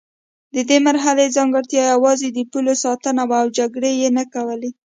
د دې مرحلې ځانګړتیا یوازې د پولو ساتنه وه او جګړې یې نه کولې.